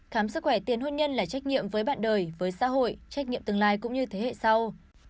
khám sức khỏe tiền hôn nhân là trách nhiệm với bạn đời với xã hội trách nhiệm tương lai cũng như thế hệ sau